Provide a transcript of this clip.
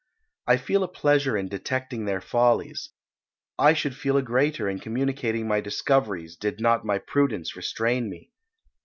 I feel a pleasure in detecting their follies; I should feel a greater in communicating my discoveries, did not my prudence restrain me.